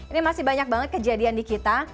ini masih banyak banget kejadian di kita